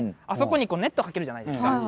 あそこにネットをかけるじゃないですか。